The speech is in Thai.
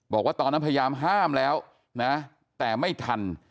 บอกว่าตอนนั้นพยายามห้ามแล้วนะแต่ไม่ทัน